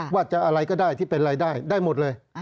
ว่าจะอะไรก็ได้ที่เป็นรายได้ได้หมดเลย